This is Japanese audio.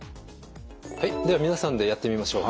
はいでは皆さんでやってみましょう。